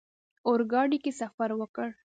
اورګاډي کې سفر وکړ.